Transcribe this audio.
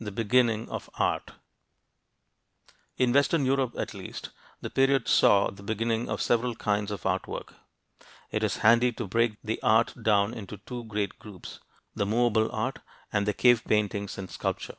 THE BEGINNING OF ART [Illustration: THONG STROPPER] In western Europe, at least, the period saw the beginning of several kinds of art work. It is handy to break the art down into two great groups: the movable art, and the cave paintings and sculpture.